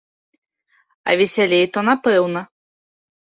А весялей то напэўна.